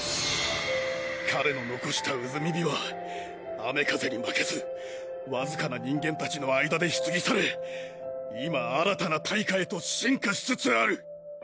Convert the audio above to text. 彼の残した埋火は雨風に負けず僅かな人間達の間で火継され今新たな大火へと進化しつつある！